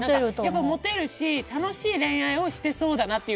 モテるし楽しい恋愛をしてそうだなって。